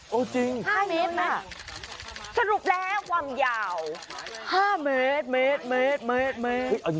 เออจริงห้าเมตรไหมสรุปแล้วความยาวห้าเมตร